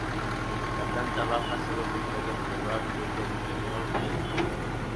La planta baja solo se puede observar desde el interior de los anexos.